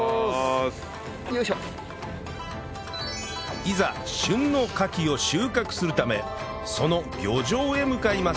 いざ旬のカキを収穫するためその漁場へ向かいます